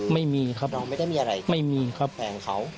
ไม่มีครับแม่งเขาเราไม่ได้มีอะไรค่ะ